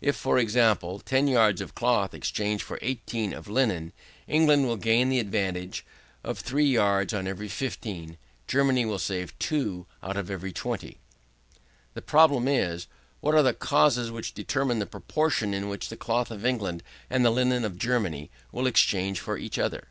If, for example, 10 yards of cloth exchange for 18 of linen, England will gain an advantage of 3 yards on every 15, Germany will save 2 out of every 20. The problem is, what are the causes which determine the proportion in which the cloth of England and the linen of Germany will exchange for each other?